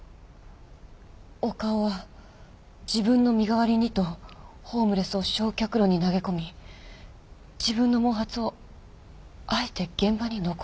岡尾は自分の身代わりにとホームレスを焼却炉に投げ込み自分の毛髪をあえて現場に残した？